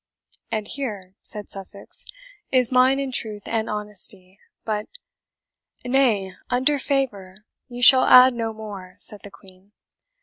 "And here," said Sussex, "is mine in truth and honesty; but " "Nay, under favour, you shall add no more," said the Queen.